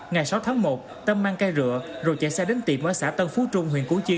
ngày sáu tháng một tâm mang cây rửa rồi chạy xe đến tiệm ở xã tân phú trung huyện củ chi